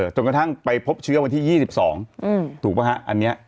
จนกระทั่งไปพบเชื้อวันที่๒๒ถูกป่ะฮะอันนี้